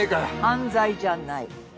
犯罪じゃない。